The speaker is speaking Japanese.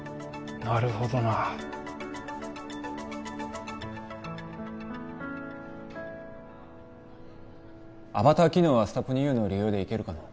なるほどなアバター機能はスタポニＵの流用でいけるかな？